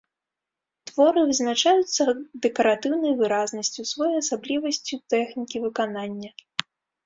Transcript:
Творы вызначаюцца дэкаратыўнай выразнасцю, своеасаблівасцю тэхнікі выканання.